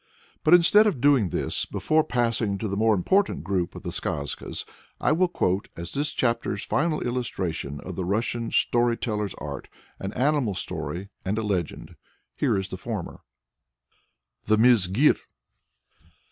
But instead of doing this, before passing on to the more important groups of the Skazkas, I will quote, as this chapter's final illustrations of the Russian story teller's art, an "animal story" and a "legend." Here is the former: THE MIZGIR.